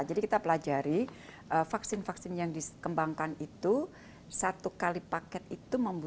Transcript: jadi kita pelajari vaksin vaksin yang dikembangkan itu satu kali paket itu membawa